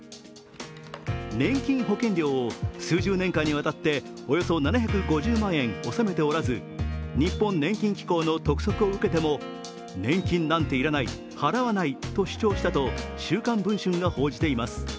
年金保険料を数十年間にわたっておよそ７５０万円を納めておらず日本年金機構の督促を受けても年金なんていらない払わないと主張したと「週刊文春」が報じています。